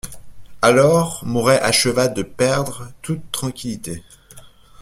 Alors, Mouret acheva de perdre toute tranquillité.